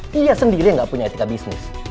dia sendiri yang gak punya etika bisnis